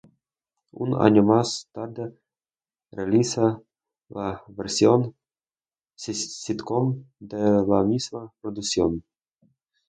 Un año más tarde realiza la versión sitcom de la misma producción.